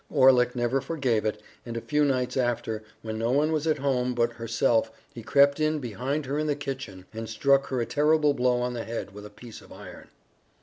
Orlick never forgave it, and a few nights after, when no one was at home but herself he crept in behind her in the kitchen and struck her a terrible blow on the head with a piece of iron.